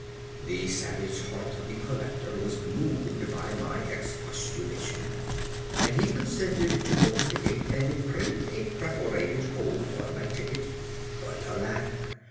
The savage heart of the Collector was moved by my expostulation, and he consented to open the gate, and imprint a perforated hole on my ticket; but, alack!